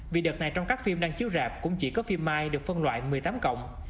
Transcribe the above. vì đợt này trong các phim đang chiếu rạp cũng chỉ có phim mai được phân loại một mươi tám cộng